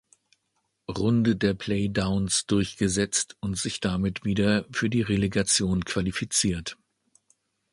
Runde der Play-downs durchgesetzt und sich damit wieder für die Relegation qualifiziert.